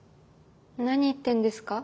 何言ってんですか？